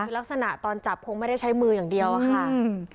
คือลักษณะตอนจับคงไม่ได้ใช้มืออย่างเดียวอะค่ะ